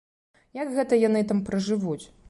Як гэта яны там пражывуць?